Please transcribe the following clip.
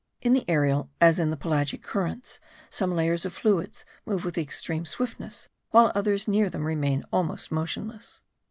In the aerial, as in the pelagic currents, some layers of fluids move with extreme swiftness, while others near them remain almost motionless.